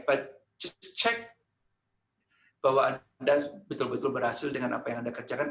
but just check bahwa anda betul betul berhasil dengan apa yang anda kerjakan